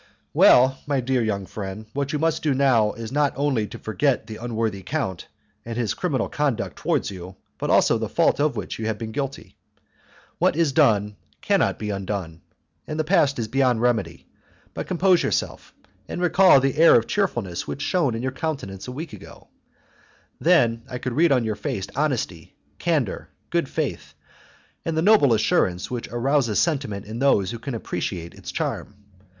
"Well, my dear young friend, what you must do now is not only to forget the unworthy count and his criminal conduct towards you, but also the fault of which you have been guilty. What is done cannot be undone, and the past is beyond remedy; but compose yourself, and recall the air of cheerfulness which shone on your countenance a week ago. Then I could read on your face honesty, candour, good faith, and the noble assurance which arouses sentiment in those who can appreciate its charm.